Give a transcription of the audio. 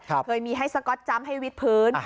เคยมีให้สก๊อตจำให้วิดพื้น